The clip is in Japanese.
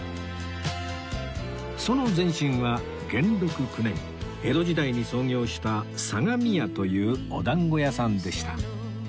その前身は元禄９年江戸時代に創業した相模屋というお団子屋さんでした